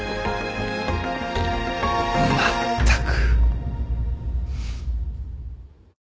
まったく。